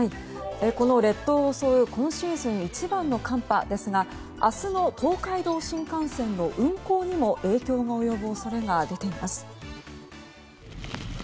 列島を襲う今シーズン一番の寒波ですが明日の東海道新幹線の運行にも影響が及ぶ恐れが出ています。